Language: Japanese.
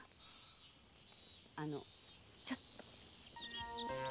あのちょっと。